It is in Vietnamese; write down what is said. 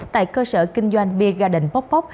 tại cơ sở kinh doanh beer garden poc poc